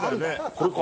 これか？